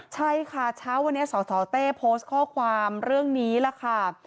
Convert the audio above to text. ใช่ค่ะเช้าวันนี้สสเต้โพสต์ข้อความเรื่องนี้ล่ะค่ะ